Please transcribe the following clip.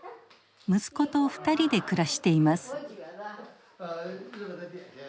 息子と２人で暮らしています。